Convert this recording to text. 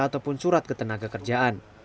ataupun surat ketenaga kerjaan